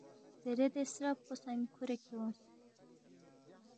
دیرے دے سترب پو سہ کھُورے کھیونگس